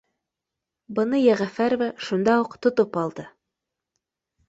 Быны Йәғәфәрова шунда уҡ то топ алды